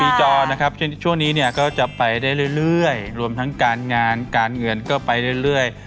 จอนะครับเช่นช่วงนี้เนี่ยก็จะไปได้เรื่อยรวมทั้งการงานการเงินก็ไปเรื่อย